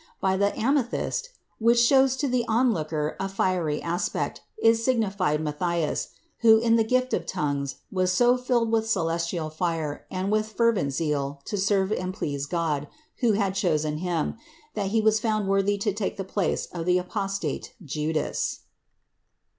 By the amethyst, which shows to the onlooker a fiery aspect, is signified Matthias, who in the gift of tongues was so filled with celestial fire and with fervent zeal to serve and please God, who had chosen him, that he was found worthy to take the place of the apostate Judas.